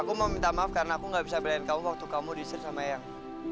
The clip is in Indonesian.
aku mau minta maaf karena aku gak bisa belain kamu waktu kamu diisir sama yang